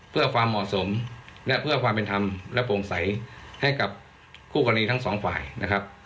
เพื่อความเหมาะสมและเพื่อความเป็นธรรมและโปร่งใสให้กับคู่กรณีทั้งสองฝ่ายนะครับ